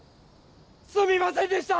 すみませんでした！